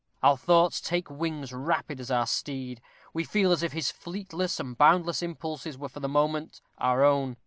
Our thoughts take wings rapid as our steed. We feel as if his fleetness and boundless impulses were for the moment our own.